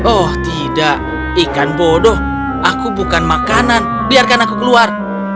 oh tidak ikan bodoh aku bukan makanan biarkan aku keluar